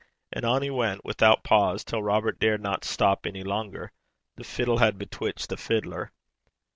And on he went without pause, till Robert dared not stop any longer. The fiddle had bewitched the fiddler.